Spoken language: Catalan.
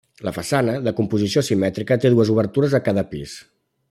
La façana, de composició simètrica, té dues obertures a cada pis.